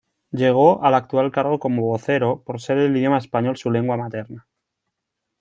Llegó al actual cargo como vocero por ser el idioma español su lengua materna.